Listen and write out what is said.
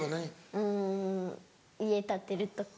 うん家建てるとか。